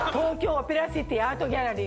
オペラシティアートギャラリー